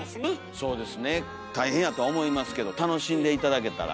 そうですね大変やとは思いますけど楽しんで頂けたら。